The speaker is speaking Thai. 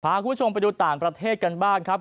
พาคุณผู้ชมไปดูต่างประเทศกันบ้างครับ